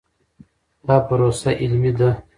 دا پروسه علمي ده.